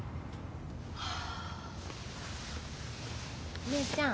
お姉ちゃん。